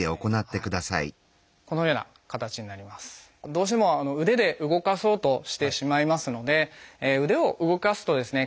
どうしても腕で動かそうとしてしまいますので腕を動かすとですね